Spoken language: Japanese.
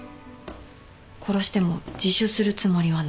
殺しても自首するつもりはない。